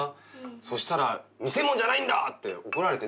そしたら「見せ物じゃないんだ」って怒られて。